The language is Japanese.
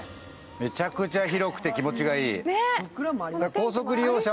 めちゃくちゃ広くて気持ちがいい。